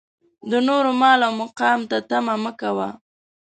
د نورو مال او مقام ته طمعه مه کوه.